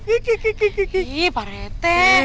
ih pak rete